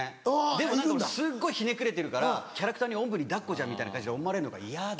でも俺すっごいひねくれてるからキャラクターにおんぶに抱っこじゃんみたいな感じに思われるのが嫌で。